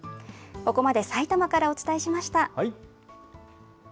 ここまでさいたまからお伝えしました。